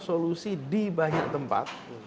solusi di banyak tempat